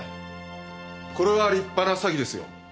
これは立派な詐欺ですよ。